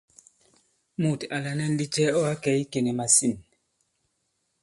Mùt à lànɛ ndi cɛ ɔ̂ ǎ kɛ̀ i ikè nì màsîn ?